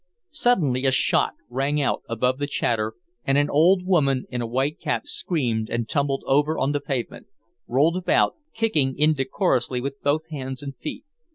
Suddenly a shot rang out above the chatter, and an old woman in a white cap screamed and tumbled over on the pavement, rolled about, kicking indecorously with both hands and feet.